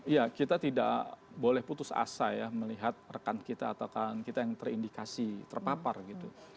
ya kita tidak boleh putus asa ya melihat rekan kita atau kawan kita yang terindikasi terpapar gitu